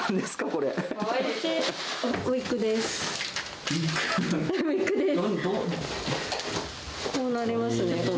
こうなりますね。